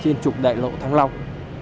trên trục đại lộ thắng long